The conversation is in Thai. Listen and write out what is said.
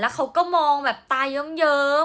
แล้วเขาก็มองแบบตายเยอะ